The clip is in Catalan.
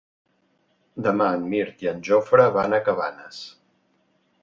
Demà en Mirt i en Jofre van a Cabanes.